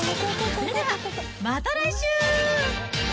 それでは、また来週。